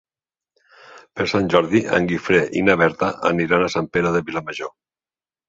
Per Sant Jordi en Guifré i na Berta aniran a Sant Pere de Vilamajor.